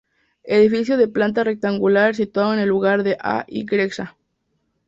Edificio de planta rectangular situado en el lugar de A Igrexa.